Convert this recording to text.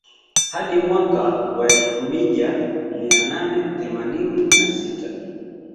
Hadi mwaka wa elfu mija mia nane themanini na sita